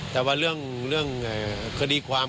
แต่ว่าเรื่องคดีความ